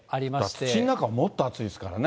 だから土の中はもっと暑いですからね。